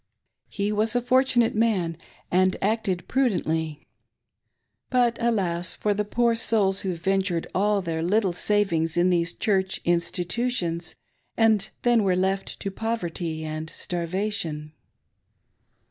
He was a fortunate man and acted prudently, but Alas ! for the poor souls who ven tured all their little savings in these Church "Institutions" and then were' left to poverty and starvation.